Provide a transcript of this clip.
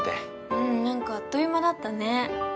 うんなんかあっという間だったね。